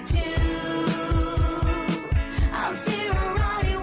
อันที่นั่งรอดี้วิทยู